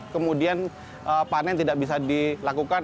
kemudian panen tidak bisa dilakukan